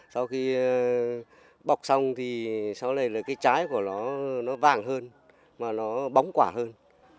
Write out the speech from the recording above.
sau khi bọc xong thì sau này là cái trái của nó nó vàng hơn mà nó bóng quả hơn